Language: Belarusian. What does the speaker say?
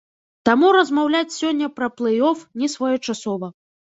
Таму размаўляць сёння пра плэй-оф несвоечасова.